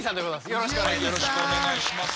よろしくお願いします。